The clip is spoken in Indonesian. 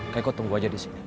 kak iko tunggu aja di sini